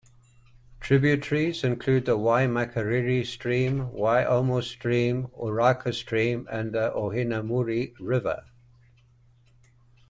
Tributaries include the Waimakariri Stream, Waiomou Stream, Oraka Stream and the Ohinemuri River.